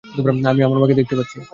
আমি আমার বাবা-মাকে দেখতে পাচ্ছি।